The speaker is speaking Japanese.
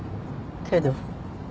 けど？